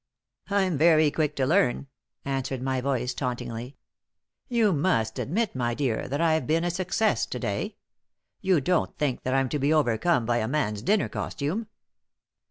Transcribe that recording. "I'm very quick to learn," answered my voice, tauntingly. "You must admit, my dear, that I've been a success to day. You don't think that I'm to be overcome by a man's dinner costume?"